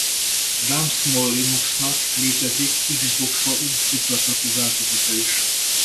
A Damn Small Linuxnak létezik Xboxon futtatható változata is.